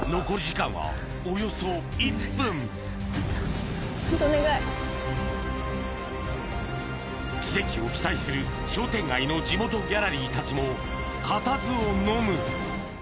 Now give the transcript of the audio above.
残り時間はおよそ１分奇跡を期待する商店街の地元ギャラリーたちも固唾をのむ